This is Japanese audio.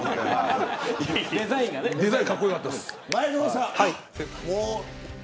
デザインかっこよかったです。